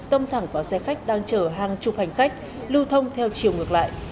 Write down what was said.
tông thẳng vào xe khách đang chở hàng chục hành khách lưu thông theo chiều ngược lại